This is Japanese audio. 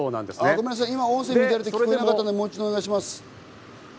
今、音声が乱れてちょっと聞こえなかったので、もう一度お願いします。